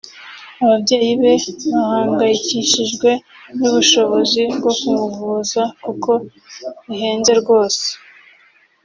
ababyeyi be bahangayikishijwe n’ubushobozi bwo kumuvuza kuko bihenze rwose